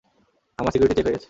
আমার security check হয়ে গেছে।